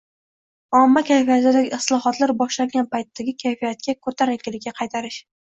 – omma kayfiyatini islohotlar boshlangan paytdagi qayfiyatiga – ko‘tarinkilikka qaytarish.